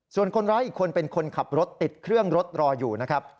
ส่วนคนร้ายอีกคนเป็นคนขับรถติดเครื่องรถรออยู่นะครับ